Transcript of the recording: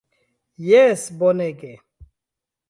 Jes bonege!